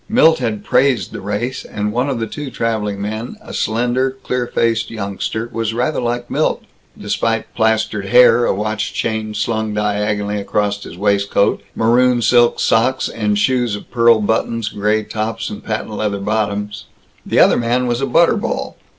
Milt had praised the race, and one of the two traveling men, a slender, clear faced youngster, was rather like Milt, despite plastered hair, a watch chain slung diagonally across his waistcoat, maroon silk socks, and shoes of pearl buttons, gray tops, and patent leather bottoms. The other man was a butter ball.